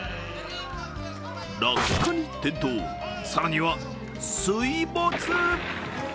落下に転倒、更には水没。